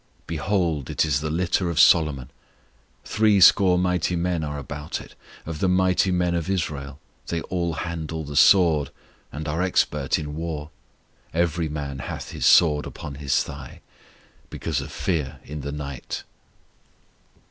Behold, it is the litter of Solomon; Threescore mighty men are about it, Of the mighty men of Israel, They all handle the sword, and are expert in war: Every man hath his sword upon his thigh, Because of fear in the night.